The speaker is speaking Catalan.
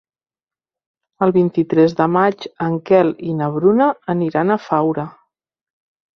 El vint-i-tres de maig en Quel i na Bruna aniran a Faura.